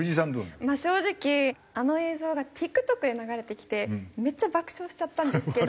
まあ正直あの映像がＴｉｋＴｏｋで流れてきてめっちゃ爆笑しちゃったんですけど。